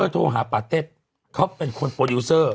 โทรหาปาเต็ดเขาเป็นคนโปรดิวเซอร์